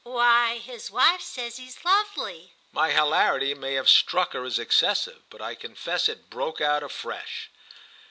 "Why his wife says he's lovely!" My hilarity may have struck her as excessive, but I confess it broke out afresh.